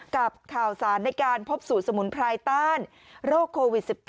กับข่าวสารในการพบสูตรสมุนไพรต้านโรคโควิด๑๙